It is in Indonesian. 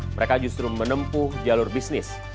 mereka justru menempuh jalur bisnis